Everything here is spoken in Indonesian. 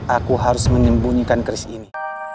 aku harus menyembunyikan keris ini